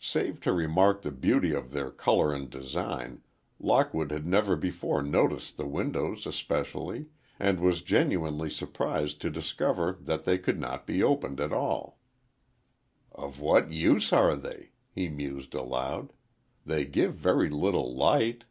Save to remark the beauty of their color and design, Lockwood had never before noticed the windows, especially, and was genuinely surprised to discover that they could not be opened at all. "Of what use are they?" he mused, aloud; "They give very little light."